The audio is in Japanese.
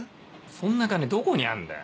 そんな金どこにあんだよ？